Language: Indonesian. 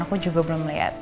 aku juga belum liat